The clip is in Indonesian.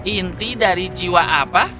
inti dari jiwa apa